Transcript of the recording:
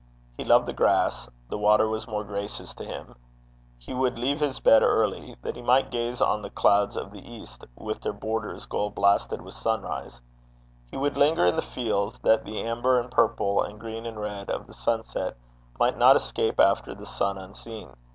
He loved the grass; the water was more gracious to him; he would leave his bed early, that he might gaze on the clouds of the east, with their borders gold blasted with sunrise; he would linger in the fields that the amber and purple, and green and red, of the sunset, might not escape after the sun unseen.